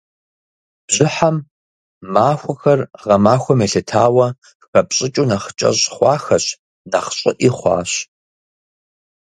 Бжьыхьэм махуэхэр, гъэмахуэм елъытауэ, хэпщӏыкӏыу нэхъ кӏэщӏ хъуахэщ, нэхъ щӏыӏи хъуащ.